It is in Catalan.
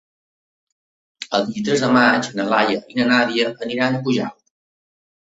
El vint-i-tres de maig na Laia i na Nàdia aniran a Pujalt.